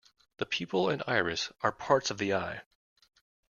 The pupil and iris are parts of the eye.